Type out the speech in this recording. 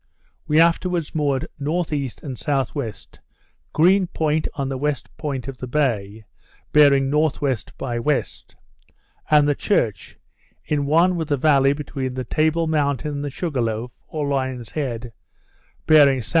We afterwards moored N.E. and S.W., Green Point on the west point of the bay, bearing N.W. by W., and the church, in one with the valley between the Table Mountain and the Sugar Loaf, or Lion's Head, bearing S.W.